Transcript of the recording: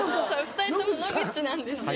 ２人とも野口なんですよ。